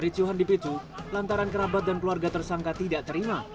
ricuhan dipicu lantaran kerabat dan keluarga tersangka tidak terima